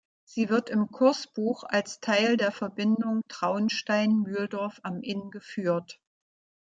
Sie wird im Kursbuch als Teil der Verbindung Traunstein–Mühldorf am Inn geführt.